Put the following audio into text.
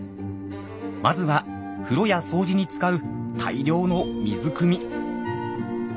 まずは風呂や掃除に使う大量の水くみ。